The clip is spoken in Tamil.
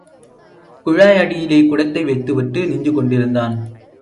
குழாய் அடியிலே குடத்தை வைத்துவிட்டு, நின்று கொண்டிருந்தான்.